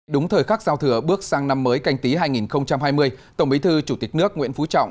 đúng thời khắc giao thừa bước sang năm mới canh tí hai nghìn hai mươi tổng bí thư chủ tịch nước nguyễn phú trọng